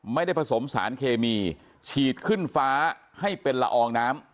ไม่ได้ผสมสารเคมีฉีดขึ้นฟ้าให้เป็นละอองน้ำ